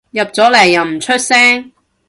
入咗嚟又唔出聲